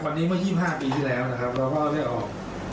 วันนี้มึง๒๕ปีที่แล้วนะครับเราก็ก็จะออก